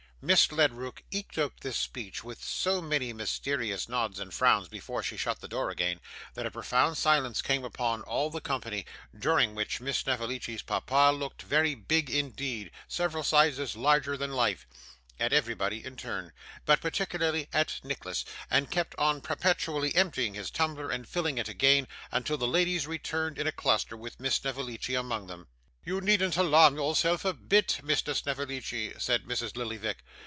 Miss Ledrook eked out this speech with so many mysterious nods and frowns before she shut the door again, that a profound silence came upon all the company, during which Miss Snevellicci's papa looked very big indeed several sizes larger than life at everybody in turn, but particularly at Nicholas, and kept on perpetually emptying his tumbler and filling it again, until the ladies returned in a cluster, with Miss Snevellicci among them. 'You needn't alarm yourself a bit, Mr. Snevellicci,' said Mrs. Lillyvick.